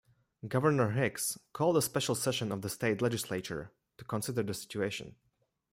Governor Hicks called a special session of the state legislature to consider the situation.